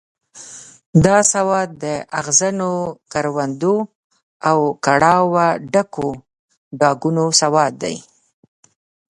دا سواد د اغزنو کروندو او کړاوه ډکو ډاګونو سواد دی.